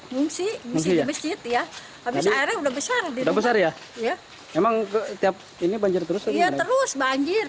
mengungsi di masjid ya habis airnya udah besar ya emang ini banjir terus ya terus banjir kalau ke banjir